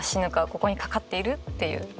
ここにかかっているっていう。